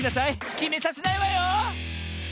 きめさせないわよ！